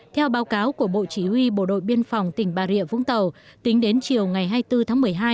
theo báo cáo của bộ chỉ huy bộ đội biên phòng tỉnh bà rịa vũng tàu tính đến chiều ngày hai mươi bốn tháng một mươi hai